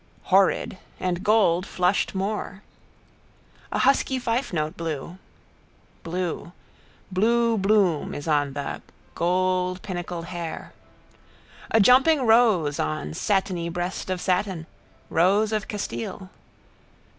Horrid! And gold flushed more. A husky fifenote blew. Blew. Blue bloom is on the. Goldpinnacled hair. A jumping rose on satiny breast of satin, rose of Castile.